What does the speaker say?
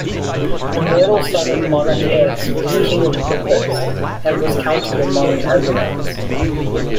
The mortal son Menoetius was king of Opus, and was counted among the Argonauts.